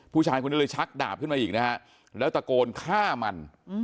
ผู้ชายคนนี้เลยชักดาบขึ้นมาอีกนะฮะแล้วตะโกนฆ่ามัน